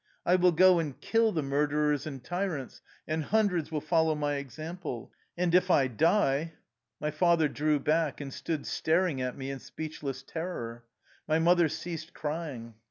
I will go and Mil the murderers and tyrants, and hundreds will follow my example. And if I die. ..." My father drew back, and stood staring at me in speechless terror. My mother ceased crying.